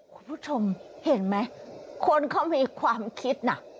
คุณผู้ชมเห็นไหมคนเขามีความคิดนะ